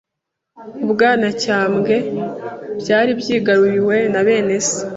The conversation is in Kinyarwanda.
Ubwanacyambwe byari byigaruriwe na bene se